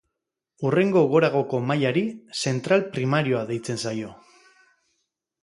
Hurrengo goragoko mailari zentral primarioa deitzen zaio.